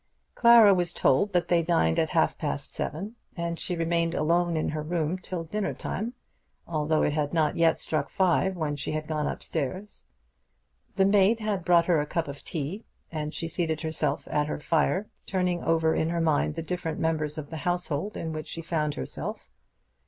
Clara was told that they dined at half past seven, and she remained alone in her room till dinner time, although it had not yet struck five when she had gone up stairs. The maid had brought her a cup of tea, and she seated herself at her fire, turning over in her mind the different members of the household in which she found herself.